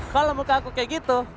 kalau muka aku kayak gitu